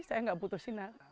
saya tidak butuh sinyal